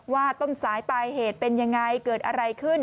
ว่าต้นสายปลายเหตุเป็นยังไงเกิดอะไรขึ้น